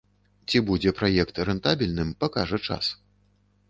Ці будзе праект рэнтабельным, пакажа час.